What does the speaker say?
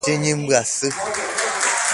Cheñembyasy.